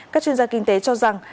các chuyên gia kinh tế cho rằng